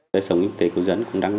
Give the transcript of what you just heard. giới sống y tế của dân cũng đáng nhớ